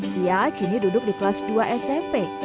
dia kini duduk di kelas dua smp